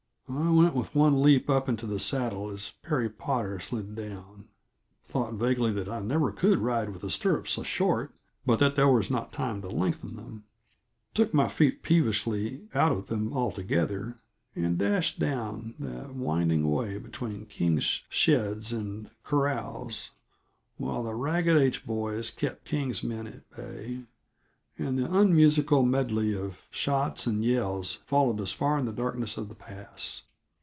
I went with one leap up into the saddle as Perry Potter slid down, thought vaguely that I never could ride with the stirrups so short, but that there was not time to lengthen them; took my feet peevishly out of them altogether, and dashed down, that winding way between King's sheds and corrals while the Ragged H boys kept King's men at bay, and the unmusical medley of shots and yells followed us far in the darkness of the pass.